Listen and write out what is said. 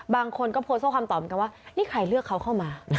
บางคนก็โพสต์ข้อความตอบเหมือนกันว่านี่ใครเลือกเขาเข้ามา